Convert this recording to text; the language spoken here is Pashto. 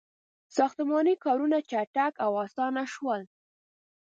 • ساختماني کارونه چټک او آسان شول.